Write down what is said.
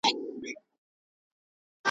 له شهپر څخه یې غشی دی جوړ کړی ,